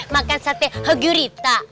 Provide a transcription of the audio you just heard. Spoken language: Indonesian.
makan sate gurita